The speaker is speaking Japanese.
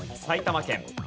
埼玉県。